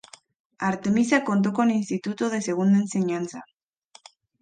Artemisa contó con Instituto de Segunda Enseñanza.